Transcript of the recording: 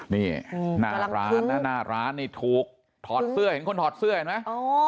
นี่หน้าร้านนะหน้าร้านนี่ถูกถอดเสื้อเห็นคนถอดเสื้อเห็นไหม